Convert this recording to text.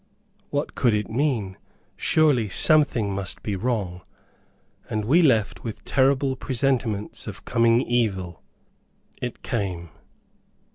What could it mean? Surely something must be wrong; and we left with terrible presentiments of coming evil. It came.